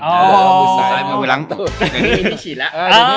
มือซ้ายมือล้างตัว